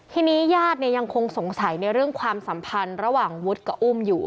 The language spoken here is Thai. ทีนี้ญาติเนี่ยยังคงสงสัยในเรื่องความสัมพันธ์ระหว่างวุฒิกับอุ้มอยู่